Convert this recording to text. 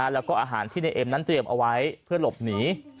แล้วก็อาหารที่ในเอ็มนั้นเตรียมเอาไว้เพื่อหลบหนี